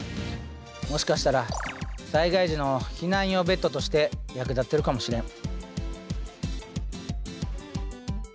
もしかしたら災害時の避難用ベッドとして役立ってるかもしれん。